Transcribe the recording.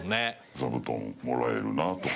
座布団もらえるなとか。